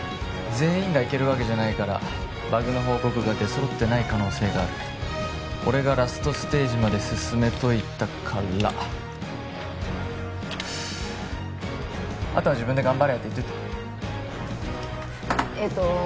全員が行けるわけじゃないからバグの報告が出揃ってない可能性がある俺がラストステージまで進めといたからあとは自分で頑張れって言っといてえっと